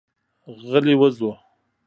غلي وځو.